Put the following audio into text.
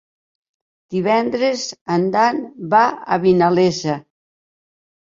Divendres en Dan va a Vinalesa.